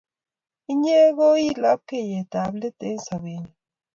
Inye ko iu lapkeet ap let eng' sobennyu.